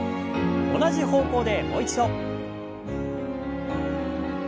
同じ方向でもう一度。